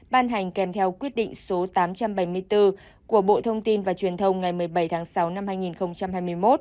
ban hành kèm theo quyết định số tám trăm bảy mươi bốn của bộ thông tin và truyền thông ngày một mươi bảy tháng sáu năm hai nghìn hai mươi một